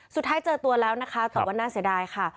เจอตัวแล้วนะคะแต่ว่าน่าเสียดายค่ะ